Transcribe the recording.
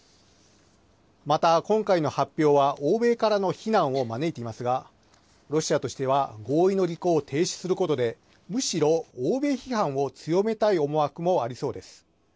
また、今回の発表は欧米からの非難を招いていますが、ロシアとしては合意の履行を停止することで、むしろ欧米批判を強めたい思惑もありそうです。